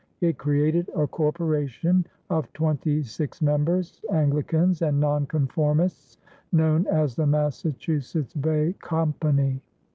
It created a corporation of twenty six members, Anglicans and Nonconformists, known as the Massachusetts Bay Company.